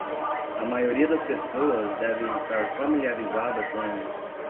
A maioria das pessoas deve estar familiarizada com